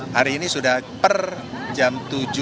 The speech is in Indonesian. hari ini sudah per jam tujuh